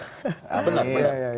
benar benar benar